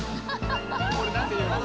これ何ていうの？